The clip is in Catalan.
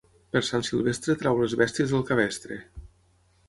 Per Sant Silvestre treu les bèsties del cabestre.